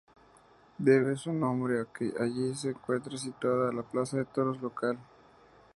Debe su nombre a que allí se encuentra situada la Plaza de Toros local.